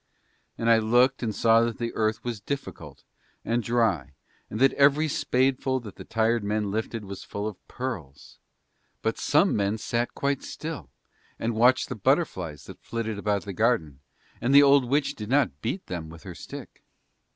And I looked and saw that the earth was difficult and dry and that every spadeful that the tired men lifted was full of pearls; but some men sat quite still and watched the butterflies that flitted about the garden and the old witch did not beat them with her stick.